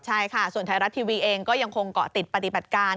ใช่ค่ะส่วนไทยรัฐทีวีเองก็ยังคงเกาะติดปฏิบัติการ